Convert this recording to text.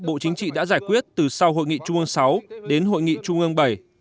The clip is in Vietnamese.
bộ chính trị đã giải quyết từ sau hội nghị trung ương sáu đến hội nghị trung ương bảy